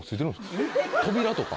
扉とか。